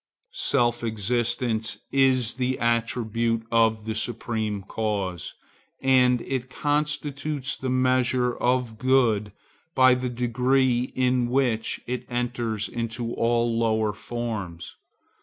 Self existence is the attribute of the Supreme Cause, and it constitutes the measure of good by the degree in which it enters into all lower forms.